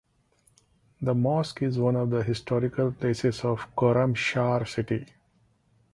The mosque is one of the historical places of Khorramshahr city.